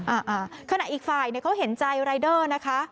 อ่าอ่าขณะอีกฝ่ายเนี้ยเขาเห็นใจรายเดอร์นะคะ